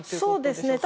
そうですね。